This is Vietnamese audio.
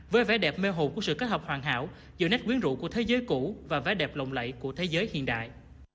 với vẻ đẹp mê hồn của sự kết hợp hoàn hảo giữa nét quyến rũ của thế giới cũ và vẻ đẹp lộng lẫy của thế giới hiện đại